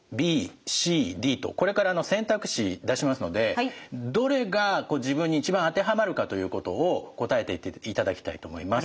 これから選択肢出しますのでどれが自分に一番当てはまるかということを答えていっていただきたいと思います。